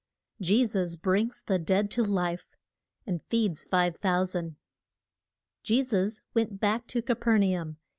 JESUS BRINGS THE DEAD TO LIFE. FEEDS FIVE THOUSAND. JE SUS went back to Ca per na um.